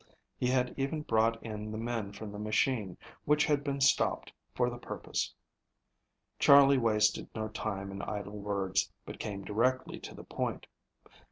He had even brought in the men from the machine, which had been stopped for the purpose. Charley wasted no time in idle words, but came directly to the point.